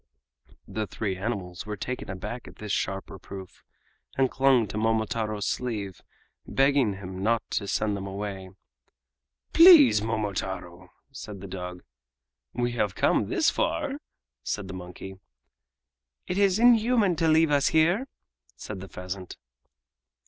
The three animals were taken aback at this sharp reproof, and clung to Momotaro's sleeve, begging him not to send them away. "Please, Momotaro!" said the dog. "We have come thus far!" said the monkey. "It is inhuman to leave us here!" said the pheasant.